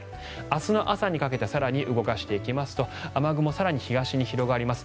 明日の朝にかけて更に動かしていきますと雨雲は更に東に広がります。